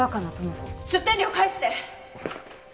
出店料返して！